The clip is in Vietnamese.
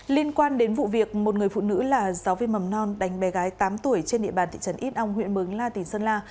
liên quan đến vụ việc một người phụ nữ là giáo viên mầm non đánh bé gái tám tuổi trên địa bàn thị trấn ít âu huyện mường la tỉnh sơn la